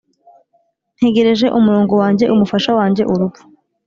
ntegereje umurongo wanjye, umufasha wanjye urupfu.